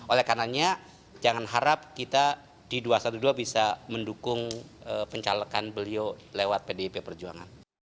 oleh karena jangan harap kita di dua ratus dua belas bisa mendukung pencalekan beliau lewat pdip perjuangan